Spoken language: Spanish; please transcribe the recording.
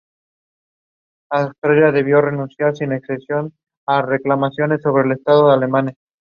Vuestra ayuda es bienvenida!